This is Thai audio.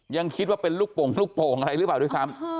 ยังคิดว่าเป็นลูกโป่งลูกโป่งอะไรหรือเปล่าด้วยซ้ำ